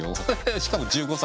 しかも１５歳。